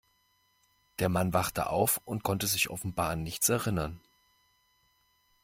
Der Mann wachte auf und konnte sich offenbar an nichts erinnern.